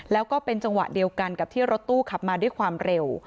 แล้วก็เป็นจังหวะเดียวกันกับที่รถตู้ขับมาด้วยความเร็ว